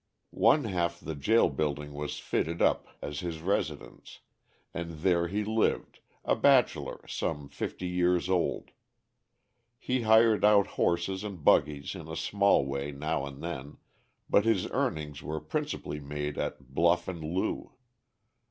One half the jail building was fitted up as his residence, and there he lived, a bachelor some fifty years old. He hired out horses and buggies in a small way now and then, but his earnings were principally made at "bluff" and "loo."